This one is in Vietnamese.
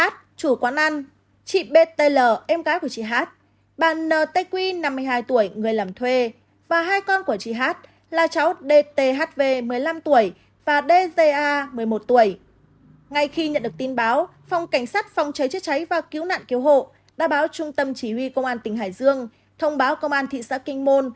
thông báo trung tâm chỉ huy công an tỉnh hải dương thông báo công an thị xã kinh môn